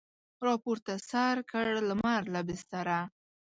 راپورته سر کړ لمر له بستره